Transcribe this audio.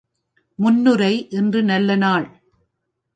முன்னுரை இன்று நல்ல நாள்!